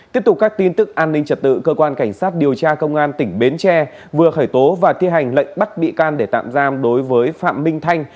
tiếp tục các tin tức an ninh trật tự cơ quan cảnh sát điều tra công an tỉnh bến tre vừa khởi tố và thi hành lệnh bắt bị can để tạm giam đối với phạm minh thanh